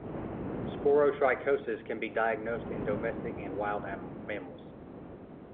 Sporotrichosis can be diagnosed in domestic and wild mammals.